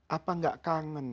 apa gak kangen